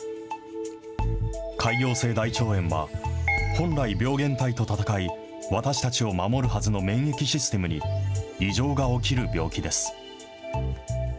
潰瘍性大腸炎は、本来、病原体と闘い私たちを守るはずの免疫システムに異常が起きる病気です。